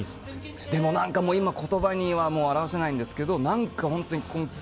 でも言葉には表せないんですが根拠